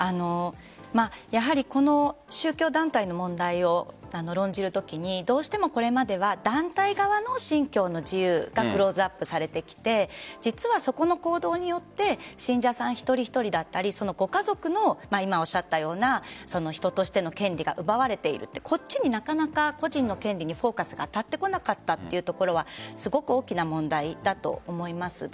やはりこの宗教団体の問題を論じるときにどうしてもこれまでは団体側の信教の自由がクローズアップされてきて実はそこの行動によって信者さん一人一人だったりご家族の今おっしゃったような人としての権利が奪われているとこっちになかなか個人の権利にフォーカスが当たってこなかったというところはすごく大きな問題だと思います。